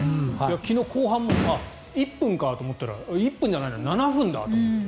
昨日、後半あ、１分かと思ったら１分じゃないな７分だと思って。